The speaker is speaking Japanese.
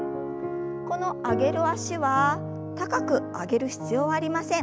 この上げる脚は高く上げる必要はありません。